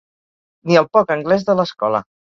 Ni el poc anglès de l'escola.